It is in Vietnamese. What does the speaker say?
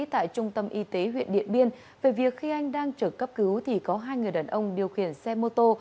tại trung tâm y tế huyện điện biên về việc khi anh đang chở cấp cứu thì có hai người đàn ông điều khiển xe mô tô